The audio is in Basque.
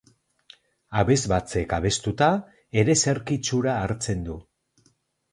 Abesbatzek abestuta, ereserki itxura hartzen du.